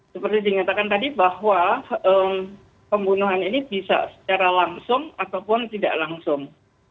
seperti dinyatakan tadi bahwa pembunuhan ini bisa secara langsung ataupun tidak langsung